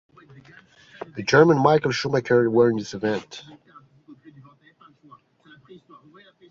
German Michael Schumacher won this event.